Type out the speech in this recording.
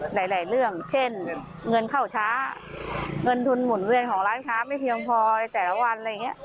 หลายเรื่องเช่นเงินเข้าช้าเงินทุนหมุนเวียนของร้านค้าไม่เพียงพอแต่ละวันอะไรอย่างนี้